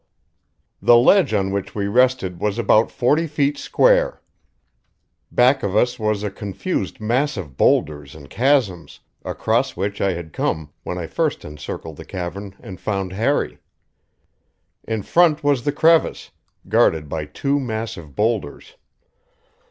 The ledge on which we rested was about forty feet square. Back of us was a confused mass of boulders and chasms, across which I had come when I first encircled the cavern and found Harry. In front was the crevice, guarded by the two massive boulders.